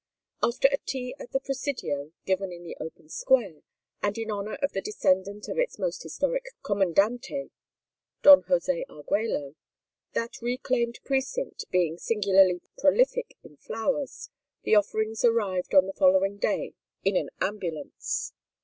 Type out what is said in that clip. After a tea at the Presidio, given in the open square, and in honor of the descendant of its most historic Commandante, Don José Argüello, that reclaimed precinct being singularly prolific in flowers, the offerings arrived on the following day in an ambulance.